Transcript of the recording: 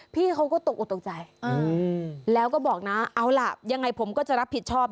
พี่เขาก็ตกออกตกใจแล้วก็บอกนะเอาล่ะยังไงผมก็จะรับผิดชอบ